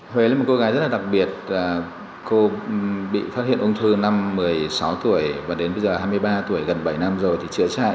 huế là một cô gái rất là đặc biệt cô bị phát hiện ung thư năm một mươi sáu tuổi và đến bây giờ hai mươi ba tuổi gần bảy năm rồi thì chữa cháy